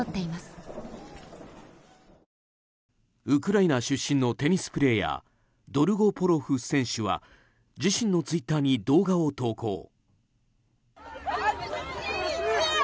ウクライナ出身のテニスプレーヤードルゴポロフ選手は自身のツイッターに動画を投稿。